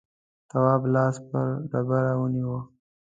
تواب لاس پر ډبره ونيو.